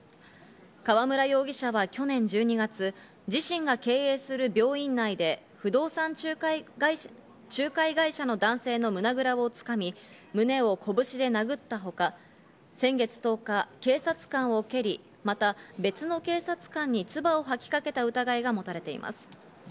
河村容疑者は去年１２月、自身が経営する病院内で不動産仲介会社の男性の胸ぐらをつかみ、胸を拳で殴ったほか、先月１０日、警察官を蹴り、また別の警察官につばを吐きかけた疑いが持たれています。